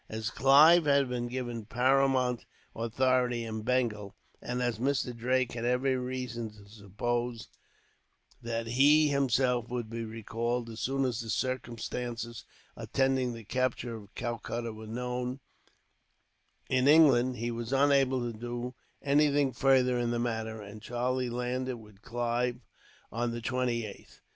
As Clive had been given paramount authority in Bengal, and as Mr. Drake had every reason to suppose that he, himself, would be recalled as soon as the circumstances attending the capture of Calcutta were known in England, he was unable to do anything further in the matter, and Charlie landed with Clive on the 28th.